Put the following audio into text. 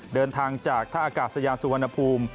เดินทางจากท่าอากาศยานสุวรรณภูมิ